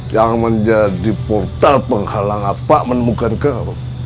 yang menjadi portal penghalang apa menemukan kau